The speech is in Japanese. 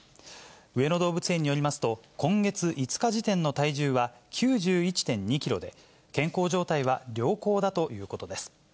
上野動物園によりますと、今月５日時点の体重は９１．２キロで、健康状態は良好だということです。